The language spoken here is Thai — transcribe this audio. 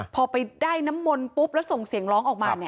พอไปได้น้ำมนต์ปุ๊บแล้วส่งเสียงร้องออกมา